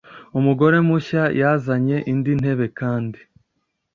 umugore mushya yazanye indi ntebe kandi